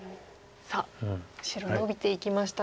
さあ白ノビていきましたが。